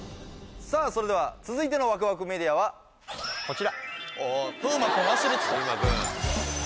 さぁそれでは続いてのワクワクメディアはこちら。